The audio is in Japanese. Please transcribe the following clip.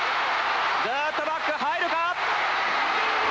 ずっとバック入るか！